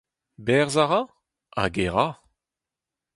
Berzh a ra ? Hag e ra !